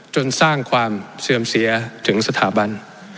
จนสร้างความเสื่อมเสียถึงสถาบัน